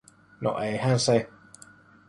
No eihän se.